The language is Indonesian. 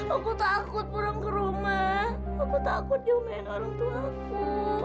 aku takut pulang ke rumah aku takut nyumit orangtuaku